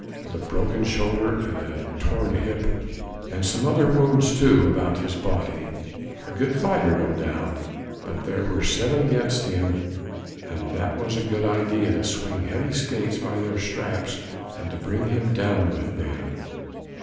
with a broken shoulder and a torn hip, and some other wounds too, about his body. A good fighter no doubt! but there were seven against him, and that was a good idea to swing heavy skates by their straps and to bring him down with them.